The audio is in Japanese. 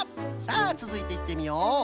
さあつづいていってみよう！